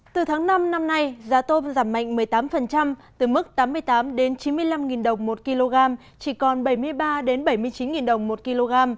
từ tháng năm năm nay giá tôm giảm mạnh một mươi tám từ mức tám mươi tám chín mươi năm đồng một kg chỉ còn bảy mươi ba bảy mươi chín đồng một kg